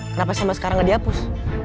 kenapa sama sekarang nggak dihapus